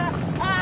あ！